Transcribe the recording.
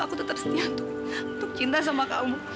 aku tetap setia untuk cinta sama kamu